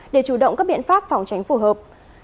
để chủ động các biện pháp phòng tránh phù hợp